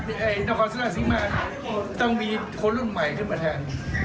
นาคอสเซอร์ลาซิมาตต้องมีคนรุ่นใหม่ขึ้นมาแทน